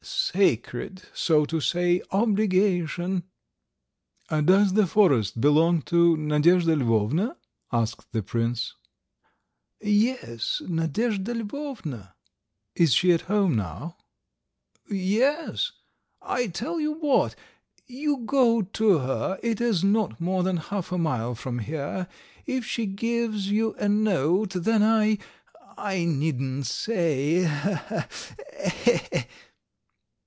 . sacred, so to say, obligation ..." "Does the forest belong to Nadyezhda Lvovna?" asked the prince. "Yes, Nadyezhda Lvovna ..." "Is she at home now?" "Yes ... I tell you what, you go to her, it is not more than half a mile from here; if she gives you a note, then I. ... I needn't say!